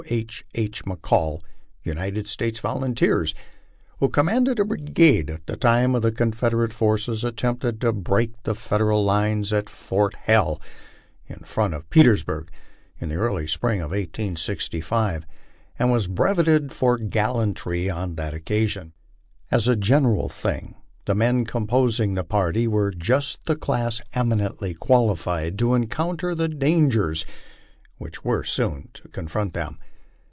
H. II. McCall, United States Volunteers, who commanded a brigade at the time the Confederat3 forces attempted to break the Federal lines at Fort Hell, in front of Petersburg, in the early spring of 1865, and was breveted for gal lantry on that occasion. As a general thing the men composing the party were just the class eminently qualified to encounter the dangers which were soon to confront them.